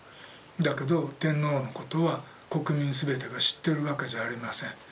だけど天皇のことは国民すべてが知ってるわけじゃありません。